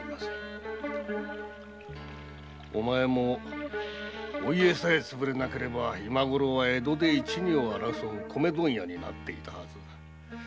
お前もお家さえ潰れなければ今ごろ江戸で一・二を争う米問屋になっていたはず。